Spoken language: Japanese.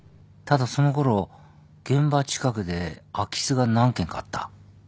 ただそのころ現場近くで空き巣が何件かあった。